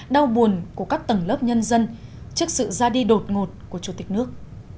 đau buồn của các tầng lớp nhân dân trước sự ra đi đột ngột của chủ tịch nước